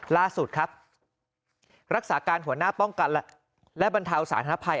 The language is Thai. ล่าสุดครับรักษาการหัวหน้าป้องกันและบรรเทาสาธารณภัย